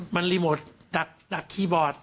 มันรีโมทจากคีย์บอร์ด